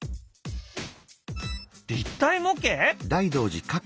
立体模型！？